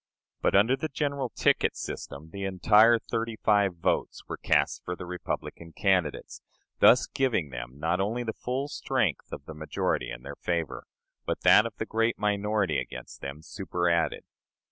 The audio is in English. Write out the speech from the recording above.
But under the "general ticket" system the entire 35 votes were cast for the Republican candidates, thus giving them not only the full strength of the majority in their favor, but that of the great minority against them superadded.